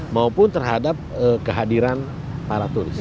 maupun terhadap kehadiran para turis